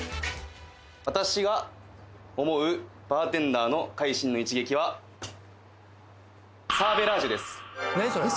私が思うバーテンダーの会心の一撃はサーベラージュ？